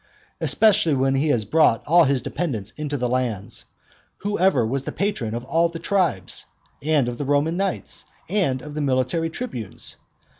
especially when he has brought all his dependants into the lands. Who ever was the patron of all the tribes? and of the Roman knights? and of the military tribunes?